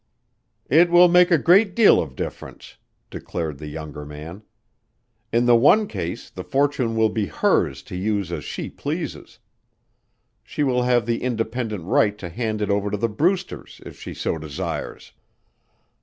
"It will make a great deal of difference," declared the younger man. "In the one case the fortune will be hers to use as she pleases. She will have the independent right to hand it over to the Brewsters if she so desires.